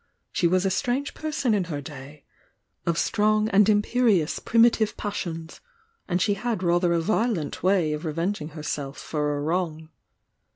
She was a strange perso.i in her day — of strong and imperious primitive passions, — and she had rather a violent way of revenging herself for a wrong.